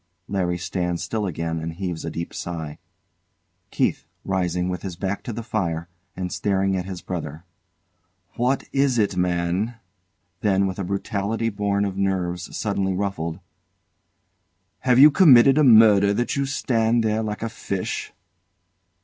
LARRY stands still again and heaves a deep sigh. KEITH. [Rising, with his back to the fire, and staring at his brother] What is it, man? [Then with a brutality born of nerves suddenly ruffled] Have you committed a murder that you stand there like a fish?